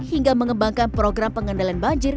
hingga mengembangkan program pengendalian banjir